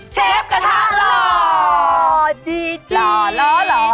เชฟกระทะหลอดิดี้ดีโหาโหา